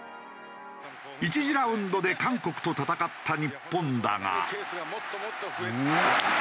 １次ラウンドで韓国と戦った日本だが。